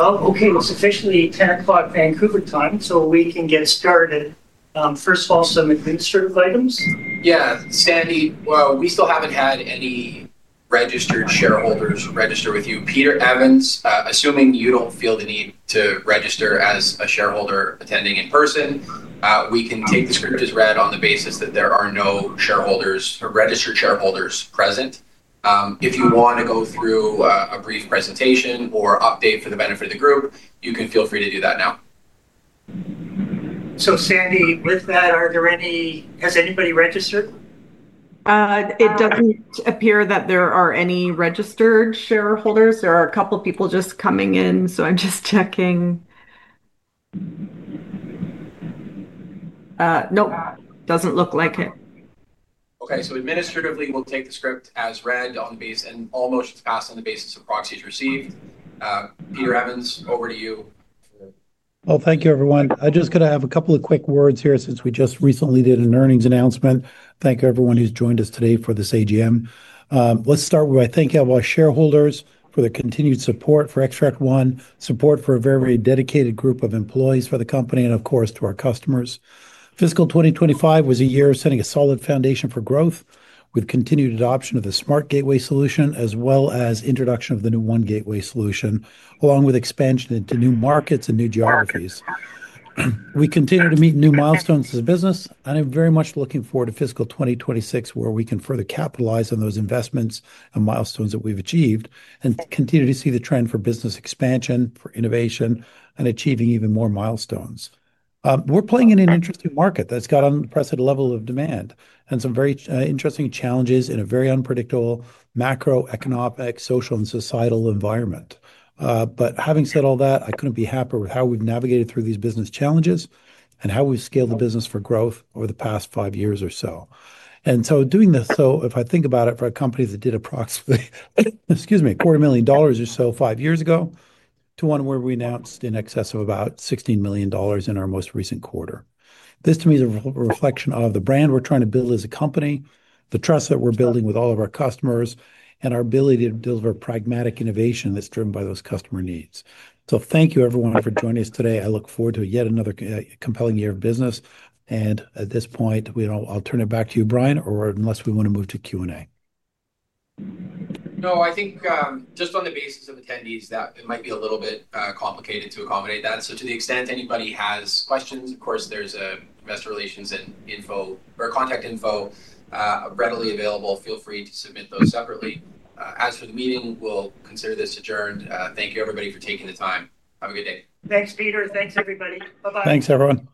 Okay, it's officially 10:00 A.M. Vancouver time, so we can get started. First of all, some administrative items. Yeah, Sandy, we still haven't had any registered shareholders register with you. Peter Evans, assuming you don't feel the need to register as a shareholder attending in person, we can take the script as read on the basis that there are no shareholders or registered shareholders present. If you want to go through a brief presentation or update for the benefit of the group, you can feel free to do that now. Sandy, with that, are there any—has anybody registered? It doesn't appear that there are any registered shareholders. There are a couple of people just coming in, so I'm just checking. No, doesn't look like it. Okay. So administratively, we'll take the script as read on the basis, and all motions passed on the basis of proxies received. Peter Evans, over to you. Thank you, everyone. I'm just going to have a couple of quick words here since we just recently did an earnings announcement. Thank you, everyone who's joined us today for this AGM. Let's start with, I think, our shareholders for the continued support for Xtract One, support for a very, very dedicated group of employees for the company, and of course, to our customers. Fiscal 2025 was a year setting a solid foundation for growth with continued adoption of the Smart Gateway solution, as well as the introduction of the new One Gateway solution, along with expansion into new markets and new geographies. We continue to meet new milestones as a business, and I'm very much looking forward to Fiscal 2026, where we can further capitalize on those investments and milestones that we've achieved and continue to see the trend for business expansion, for innovation, and achieving even more milestones. We're playing in an interesting market that's got an unprecedented level of demand and some very interesting challenges in a very unpredictable macroeconomic, social, and societal environment. Having said all that, I couldn't be happier with how we've navigated through these business challenges and how we've scaled the business for growth over the past five years or so. If I think about it, for a company that did approximately, excuse me, 40 million dollars or so five years ago to one where we announced in excess of about 16 million dollars in our most recent quarter. This, to me, is a reflection of the brand we're trying to build as a company, the trust that we're building with all of our customers, and our ability to deliver pragmatic innovation that's driven by those customer needs. Thank you, everyone, for joining us today. I look forward to yet another compelling year of business. At this point, I'll turn it back to you, Brian, or unless we want to move to Q&A. No, I think just on the basis of attendees, that it might be a little bit complicated to accommodate that. To the extent anybody has questions, of course, there is investor relations and info or contact info readily available. Feel free to submit those separately. As for the meeting, we'll consider this adjourned. Thank you, everybody, for taking the time. Have a good day. Thanks, Peter. Thanks, everybody. Bye-bye. Thanks, everyone.